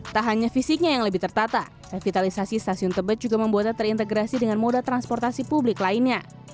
tak hanya fisiknya yang lebih tertata revitalisasi stasiun tebet juga membuatnya terintegrasi dengan moda transportasi publik lainnya